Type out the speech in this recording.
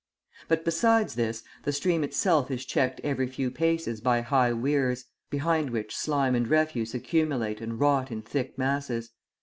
But besides this, the stream itself is checked every few paces by high weirs, behind which slime and refuse accumulate and rot in thick masses.